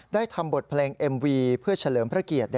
ทำบทเพลงเอ็มวีเพื่อเฉลิมพระเกียรติ